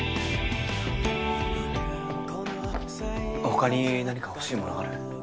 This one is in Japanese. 他に何か欲しいものある？